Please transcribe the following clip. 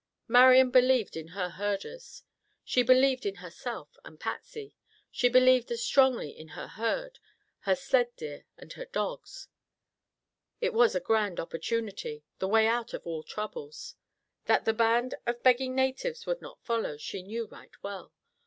Marian believed in her herders. She believed in herself and Patsy. She believed as strongly in her herd, her sled deer and her dogs. It was the grand opportunity; the way out of all troubles. That the band of begging natives would not follow, she knew right well.